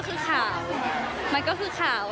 เพราะว่ามันก็คือข่าว